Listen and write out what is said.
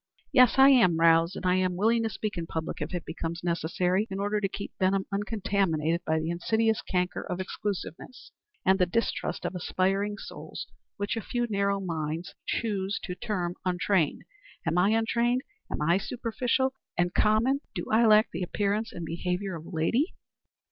"Yes, I am roused, and I am willing to speak in public if it becomes necessary in order to keep Benham uncontaminated by the insidious canker of exclusiveness and the distrust of aspiring souls which a few narrow minds choose to term untrained. Am I untrained? Am I superficial and common? Do I lack the appearance and behavior of a lady?"